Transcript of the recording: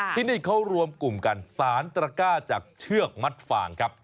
ที่นี่เขารวมกลุ่มกันสารตระก้าจากเชือกมัดฟางครับ